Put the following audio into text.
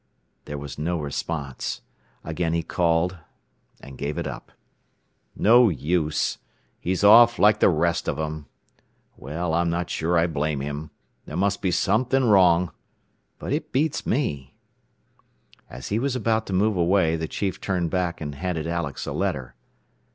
There was no response. Again he called, and gave it up. "No use. He's off like the rest of them. Well, I'm not sure I blame him. There must be something wrong. But it beats me!" As he was about to move away the chief turned back and handed Alex a letter.